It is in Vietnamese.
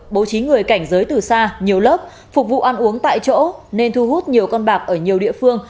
bố trí người cảnh giới từ xa nhiều lớp phục vụ ăn uống tại chỗ nên thu hút nhiều con bạc ở nhiều địa phương